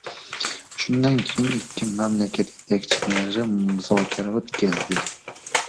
Shundan so‘ng ikki mamlakat yetakchilari muzokara o‘tkazdi.